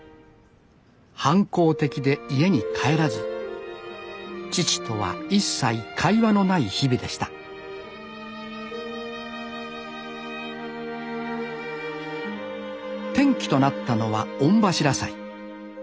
反抗的で家に帰らず父とは一切会話のない日々でした転機となったのは御柱祭。